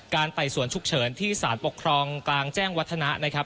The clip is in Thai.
ไต่สวนฉุกเฉินที่สารปกครองกลางแจ้งวัฒนะนะครับ